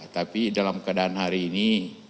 tapi dalam keadaan hari ini